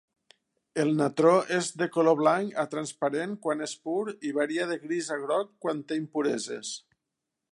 El natró és de color blanc a transparent quan és pur, i varia de gris a groc quan té impureses.